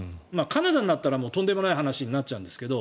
カナダになったらとんでもない話になっちゃうんですけど。